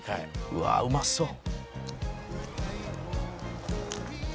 「うわあうまそう」